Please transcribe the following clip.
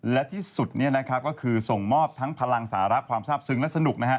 และที่สุดก็คือส่งมอบทั้งพลังสาระความทราบซึ้งและสนุก